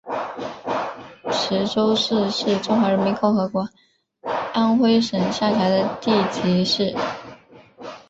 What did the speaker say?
池州市是中华人民共和国安徽省下辖的地级市。